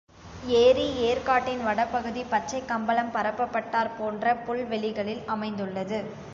ஏரி ஏர்க்காட்டின் வட பகுதி பச்சைக் கம்பளம் பரப்பப்பட்டாற் போன்ற புல் வெளிகளில் அமைந்துள்ளது.